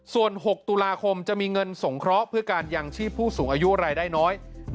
ส่วน๖ตุลาคมจะมีเงินสงเคราะห์เพื่อการยังชีพผู้สูงอายุรายได้น้อย